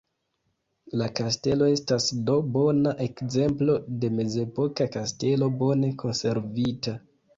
La kastelo estas do bona ekzemplo de mezepoka kastelo bone konservita.